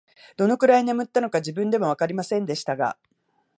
どのくらい眠ったのか、自分でもわかりませんでしたが、